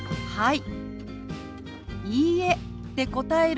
はい。